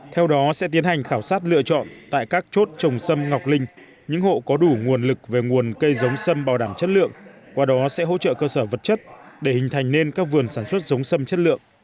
theo đó sẽ tiến hành khảo sát lựa chọn tại các chốt trồng xâm ngọc linh những hộ có đủ nguồn lực về nguồn cây giống sâm bảo đảm chất lượng qua đó sẽ hỗ trợ cơ sở vật chất để hình thành nên các vườn sản xuất giống xâm chất lượng